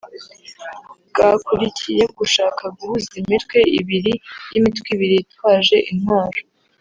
bwakurikiye gushaka guhuza imitwe ibiri y’iimitwe ibiri yitwaje intwaro”